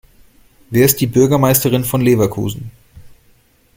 Wer ist die Bürgermeisterin von Leverkusen?